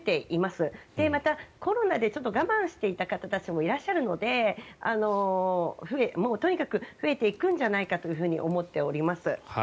あと、コロナで我慢していた方たちもいらっしゃるのでとにかく増えていくんじゃないかと思っています。